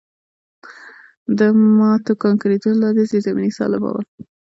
د ماتو کانکریټونو لاندې زیرزمیني سالمه وه